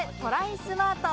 スマート！